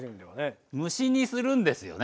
蒸し煮するんですよね。